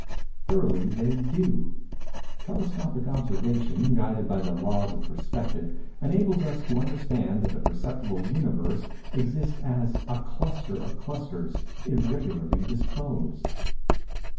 Thoroughly, they do. Telescopic observation, guided by the laws of perspective, enables us to understand that the perceptible Universe exists as a cluster of clusters, irregularly disposed.